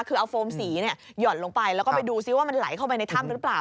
คือเอาโฟมสีหย่อนลงไปแล้วก็ไปดูซิว่ามันไหลเข้าไปในถ้ำหรือเปล่า